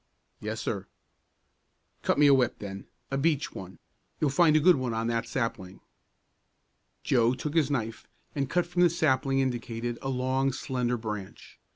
"Yes, sir." "Cut me a whip, then, a beech one; you'll find a good one on that sapling." Joe took his knife and cut from the sapling indicated a long, slender branch.